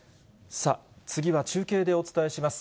次は中継でお伝えします。